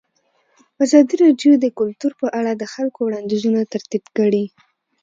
ازادي راډیو د کلتور په اړه د خلکو وړاندیزونه ترتیب کړي.